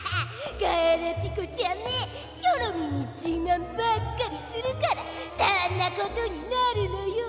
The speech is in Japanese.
ガラピコちゃんめチョロミーにじまんばっかりするからそんなことになるのよ！